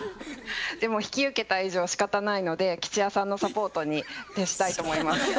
でも引き受けた以上しかたないので吉弥さんのサポートに徹したいと思います。